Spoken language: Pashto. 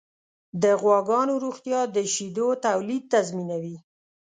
د غواګانو روغتیا د شیدو تولید تضمینوي.